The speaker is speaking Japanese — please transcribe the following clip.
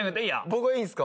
僕がいいんすか？